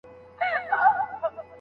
انتيک پلورونکي لږ قيمت ونه وايه؟